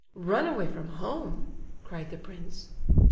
"Run away from home?" cried the prince.